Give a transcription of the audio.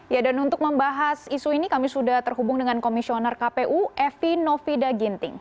ya dan untuk membahas isu ini kami sudah terhubung dengan komisioner kpu evi novida ginting